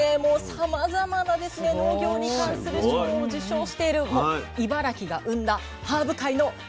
さまざまな農業に関する賞を受賞しているもう茨城が生んだハーブ界のレジェンドです。